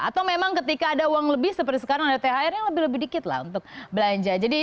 atau memang ketika ada uang lebih seperti sekarang ada thr nya lebih lebih dikit lah untuk belanja